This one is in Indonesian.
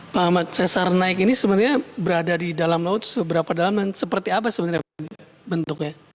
pak ahmad sesar naik ini sebenarnya berada di dalam laut seberapa dalam dan seperti apa sebenarnya bentuknya